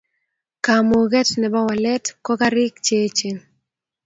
Kamuket nebo walet ko karik che echen